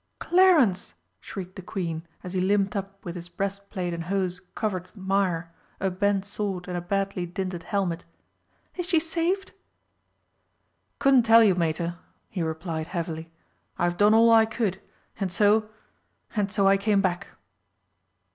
"Clarence!" shrieked the Queen as he limped up with his breastplate and hose covered with mire, a bent sword and badly dinted helmet, "is she saved?" "Couldn't tell you, Mater," he replied heavily. "I've done all I could, and so and so I came back."